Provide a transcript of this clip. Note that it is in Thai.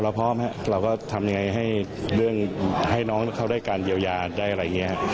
เราพร้อมเราก็ทำยังไงให้น้องเขาได้การเยียวยาได้อะไรอย่างนี้